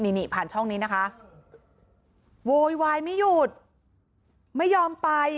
นี่นี่ผ่านช่องนี้นะคะโวยวายไม่หยุดไม่ยอมไป